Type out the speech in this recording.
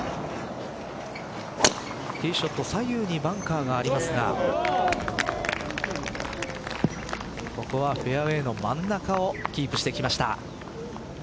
ティーショット左右にバンカーがありますがここはフェアウエーの真ん中をキープしてきました。